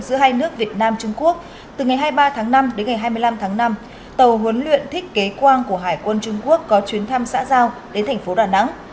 giữa hai nước việt nam trung quốc từ ngày hai mươi ba tháng năm đến ngày hai mươi năm tháng năm tàu huấn luyện thích kế quang của hải quân trung quốc có chuyến thăm xã giao đến thành phố đà nẵng